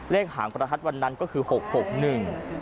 เลขหางประทัดวันนั้นก็คือ๖๖๑